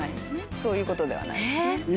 そういうことではないです。